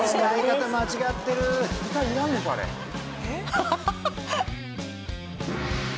ハハハハ！